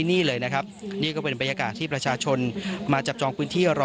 นี่เลยนะครับนี่ก็เป็นบรรยากาศที่ประชาชนมาจับจองพื้นที่รอ